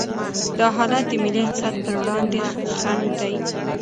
دا حالت د ملي اقتصاد پر وړاندې خنډ دی.